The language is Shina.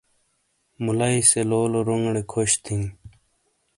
ملائیی سے لولو رونگیڑے کھش تھینئ۔